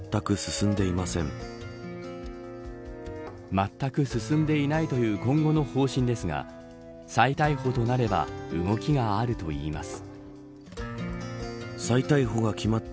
まったく進んでいないという今後の方針ですが再逮捕となれば動きがあるといいます。